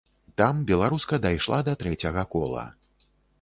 Там беларуска дайшла да трэцяга кола.